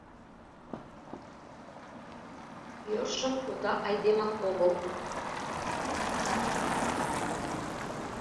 — Йӧршын уда айдемак огыл...